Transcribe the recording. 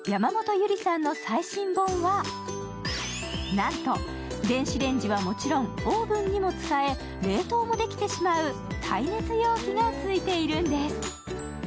なんと電子レンジはもちろん、オーブンにも使え冷凍もできてしまう耐熱容器が付いているんです。